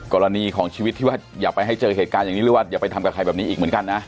กรณีของชีวิตที่ว่าอย่าไปให้เจอเหตุการณ์อย่างนี้หรือว่าอย่าไปทำกับใครแบบนี้อีกเหมือนกันนะ